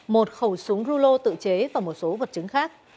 một khẩu súng rulo tự chế và một số vật chứng khác